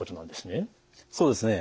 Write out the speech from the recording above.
そうですね。